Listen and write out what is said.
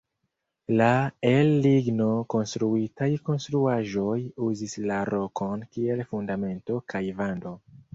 La el ligno konstruitaj konstruaĵoj uzis la rokon kiel fundamento kaj vando.